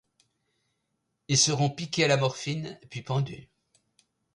Ils seront piqués à la morphine, puis pendus.